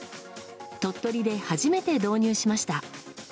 鳥取で初めて導入しました。